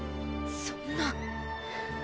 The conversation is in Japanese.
そんな。